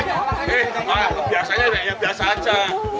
eh biasanya yang biasa aja